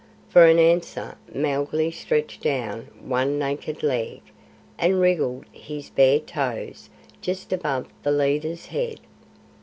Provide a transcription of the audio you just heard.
For an answer Mowgli stretched down one naked leg and wriggled his bare toes just above the leader's head.